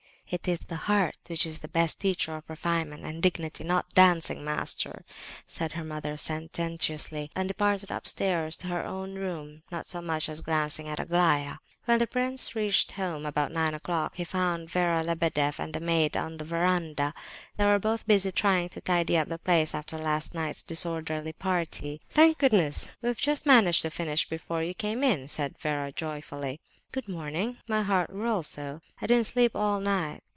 "It is the heart which is the best teacher of refinement and dignity, not the dancing master," said her mother, sententiously, and departed upstairs to her own room, not so much as glancing at Aglaya. When the prince reached home, about nine o'clock, he found Vera Lebedeff and the maid on the verandah. They were both busy trying to tidy up the place after last night's disorderly party. "Thank goodness, we've just managed to finish it before you came in!" said Vera, joyfully. "Good morning! My head whirls so; I didn't sleep all night.